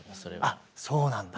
あそうなんだ。